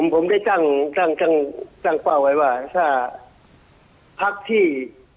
ผมได้ตั้งเป้าไว้ว่าถ้าพักที่